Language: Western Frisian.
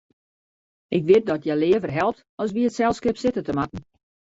Ik wit dat hja leaver helpt as by it selskip sitte te moatten.